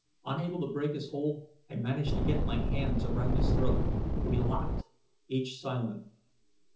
Unable to break his hold, I managed to get my hands around his throat. We locked, each silent.